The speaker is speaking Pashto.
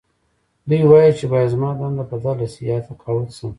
دوی وايي چې باید زما دنده بدله شي یا تقاعد شم